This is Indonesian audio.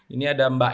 ini ada mbak